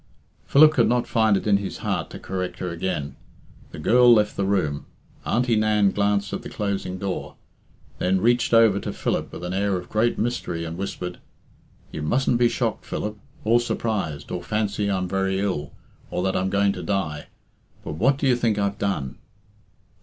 Philip could not find it in his heart to correct her again. The girl left the room. Auntie Nan glanced at the closing door, then reached over to Philip with an air of great mystery, and whispered "You mustn't be shocked, Philip, or surprised, or fancy I'm very ill, or that I'm going to die; but what do you think I've done?"